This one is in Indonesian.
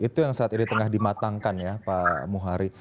itu yang saat ini tengah dimatangkan ya pak muhari